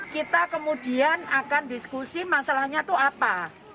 kita kemudian akan diskusi masalahnya itu apa